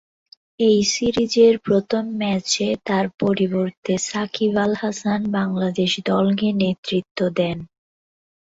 এই সিরিজের প্রথম ম্যাচে তার পরিবর্তে সাকিব আল হাসান বাংলাদেশ দলকে নেতৃত্ব দেন।